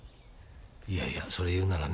いやいやそれを言うならね